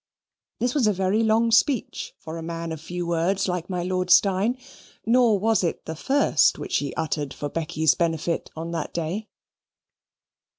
This was a very long speech for a man of few words like my Lord Steyne; nor was it the first which he uttered for Becky's benefit on that day.